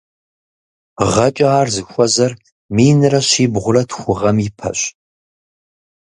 Гъэкӏэ ар зыхуэзэр минрэ щибгъурэ тху гъэм ипэщ.